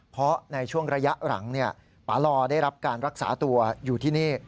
เพราะในช่วงระยะหลังปาลอได้รับการรักษาตัวอยู่ที่นี่